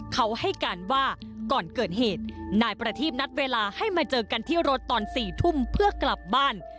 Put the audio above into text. เขาให้การว่าก่อนเกิดเหตุนายประทีบนัดเวลาให้มาเจอกันที่รถตอน๔ทุ่มเพื่อกลับบ้าน